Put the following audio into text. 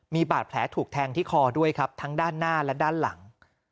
มีบาดแผลถูกแทงที่คอด้วยครับทั้งด้านหน้าและด้านหลัง